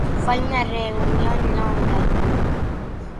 Foi unha reunión longa.